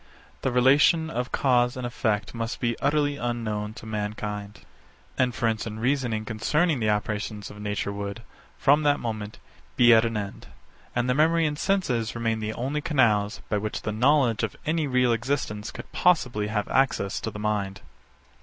The relation of cause and effect must be utterly unknown to mankind. Inference and reasoning concerning the operations of nature would, from that moment, be at an end; and the memory and senses remain the only canals, by which the knowledge of any real existence could possibly have access to the mind.